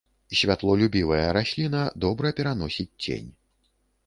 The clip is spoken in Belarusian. Святлолюбівая расліна, добра пераносіць цень.